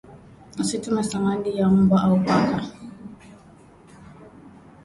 Usitumie samadi ya mbwa au paka